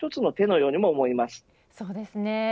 そうですね。